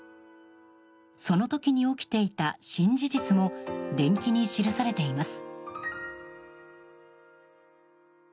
その時に起きていた新事実も伝記に記されています。